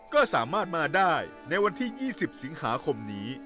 ก็สามารถมาได้ในวันที่๒๐สิงหาคมนี้